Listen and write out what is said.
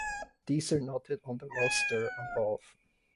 These are noted on the roster above.